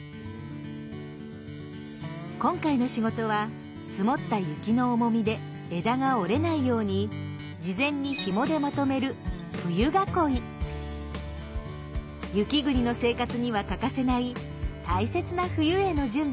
今回の仕事は積もった雪の重みで枝が折れないように事前にひもでまとめる雪国の生活には欠かせない大切な冬への準備です。